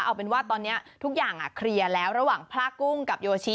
เอาเป็นว่าตอนนี้ทุกอย่างเคลียร์แล้วระหว่างพระกุ้งกับโยชิ